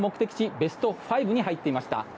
ベスト５に入っていました。